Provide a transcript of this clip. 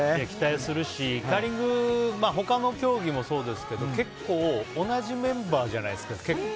期待するし、カーリングって他の競技もそうですけど結構同じメンバーじゃないですか